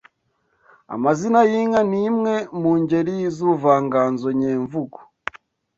Amazina y’inka ni imwe mu ngeri z’ubuvanganzonyemvugo